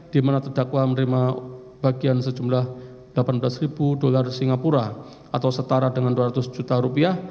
di mana terdakwa menerima bagian sejumlah delapan belas ribu dolar singapura atau setara dengan dua ratus juta rupiah